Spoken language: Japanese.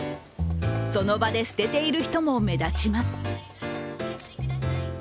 その場で捨てている人も目立ちます。